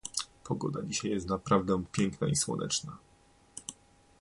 Pogoda dzisiaj jest naprawdę piękna i słoneczna.